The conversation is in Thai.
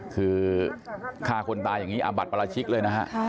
คือฆ่าคนตายอย่างนี้อาบัติประราชิกเลยนะฮะ